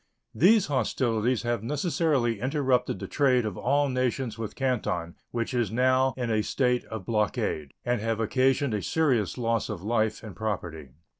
These hostilities have necessarily interrupted the trade of all nations with Canton, which is now in a state of blockade, and have occasioned a serious loss of life and property.